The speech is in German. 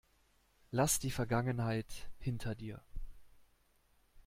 Lass die Vergangenheit hinter dir.